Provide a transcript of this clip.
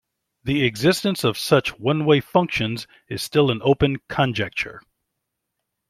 The existence of such one-way functions is still an open conjecture.